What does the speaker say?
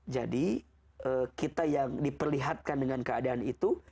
jadi kita yang diperlihatkan dengan keadaan itu